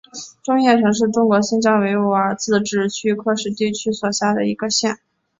叶城县是中国新疆维吾尔自治区喀什地区所辖的一个县。